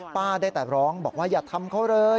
ได้แต่ร้องบอกว่าอย่าทำเขาเลย